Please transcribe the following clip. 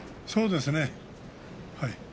そうですね